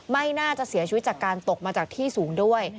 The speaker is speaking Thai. ไม่น่าจะเสียชีวิตจากการตกมาจากที่สูงด้วย